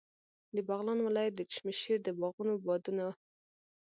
د بغلان ولایت د چشم شیر د باغونو بادونه.